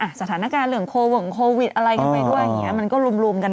อ่ะสถานการณ์เหลืองโควิดอะไรกันไปด้วยอ๋ออย่างเงี้ยมันก็รุมรุมกัน